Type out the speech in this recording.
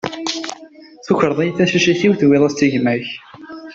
Tukreḍ-iyi tacacit-iw, tewwiḍ-as-tt i gma-k.